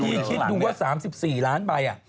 พี่คิดดูกว่า๓๔ล้านไปอ่ะ